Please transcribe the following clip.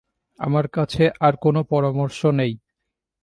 আমার কাছে আর কোনো পরামর্শ নেই।